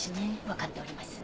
分かっております。